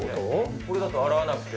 これだと洗わなくても。